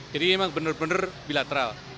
jadi ini memang benar benar bilateral